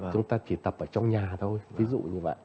chúng ta chỉ tập ở trong nhà thôi ví dụ như vậy